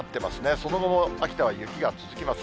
その後も秋田は雪が続きます。